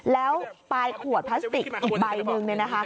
แล้วปลายขวดพลาสติกอีกใบหนึ่ง